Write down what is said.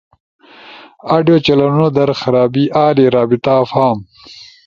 آڈیو چلؤنو در خرابی آلی، رابطہ فارم